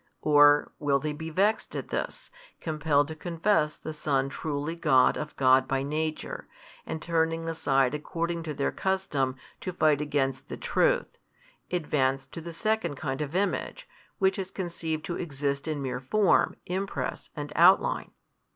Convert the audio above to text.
or will they be vexed at this, compelled to confess the Son truly God of God by Nature, and turning aside according to their custom to fight against the truth, advance to the second kind of image, which is conceived to exist in mere form, impress and outline?